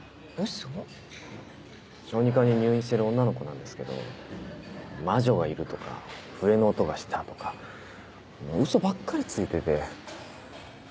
小児科に入院してる女の子なんですけど「魔女がいる」とか「笛の音がした」とかウソばっかりついてて。